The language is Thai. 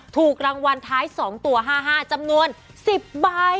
ถูกรางวัลท้าย๒ตัว๕๕จำนวน๑๐ใบ